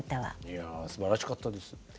いやすばらしかったです。